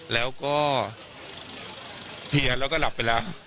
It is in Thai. แล้วก็เพียแล้วก็หลับไปแล้ว